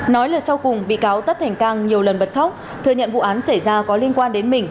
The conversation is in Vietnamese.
nói lời sau cùng bị cáo tất thành cang nhiều lần bật khóc thừa nhận vụ án xảy ra có liên quan đến mình